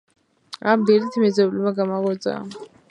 ამ დილით მეზობელმა გამაღვიძა.